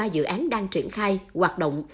bốn trăm bốn mươi ba dự án đang triển khai hoạt động